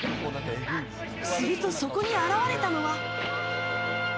すると、そこに現れたのは。